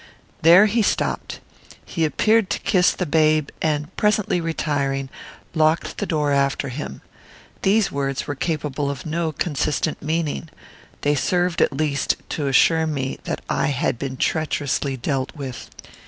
There he stopped. He appeared to kiss the babe, and, presently retiring, locked the door after him. These words were capable of no consistent meaning. They served, at least, to assure me that I had been treacherously dealt with.